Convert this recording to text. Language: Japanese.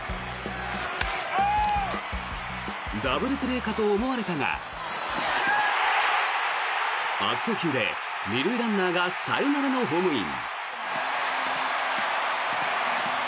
ダブルプレーかと思われたが悪送球で２塁ランナーがサヨナラのホームイン。